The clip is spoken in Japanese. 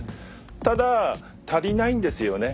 ただ足りないんですよね。